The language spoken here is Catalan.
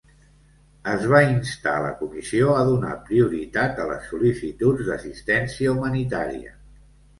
Es va instar la Comissió a donar prioritat a les sol·licituds d'assistència humanitària.